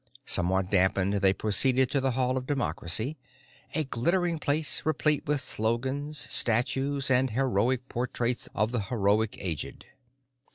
Somewhat dampened they proceeded to the Hall of Democracy, a glittering place replete with slogans, statues, and heroic portraits of the heroic aged.